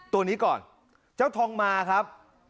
ตัวนี้ก่อนเจ้าทองมาครับ